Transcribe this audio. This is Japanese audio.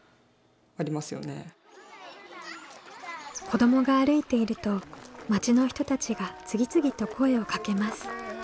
子どもが歩いていると町の人たちが次々と声をかけます。